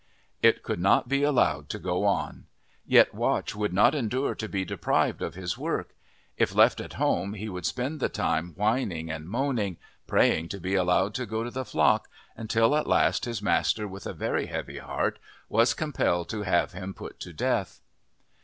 It could not be allowed to go on; yet Watch could not endure to be deprived of his work; if left at home he would spend the time whining and moaning, praying to be allowed to go to the flock, until at last his master with a very heavy heart was compelled to have him put to death.